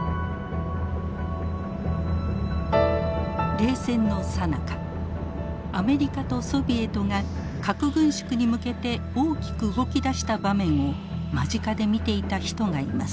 冷戦のさなかアメリカとソビエトが核軍縮に向けて大きく動き出した場面を間近で見ていた人がいます。